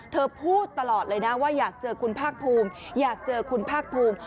พูดตลอดเลยนะว่าอยากเจอคุณภาคภูมิอยากเจอคุณภาคภูมิ